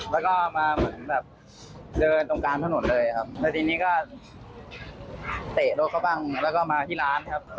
แล้วก็มาเหมือนแบบเดินตรงกลางถนนเลยครับแล้วทีนี้ก็เตะรถเขาบ้างแล้วก็มาที่ร้านครับ